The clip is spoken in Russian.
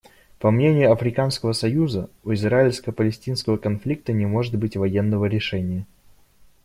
По мнению Африканского союза, у израильско-палестинского конфликта не может быть военного решения.